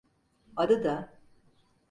Adı da…